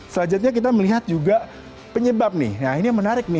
selanjutnya kita melihat juga penyebab ini yang menarik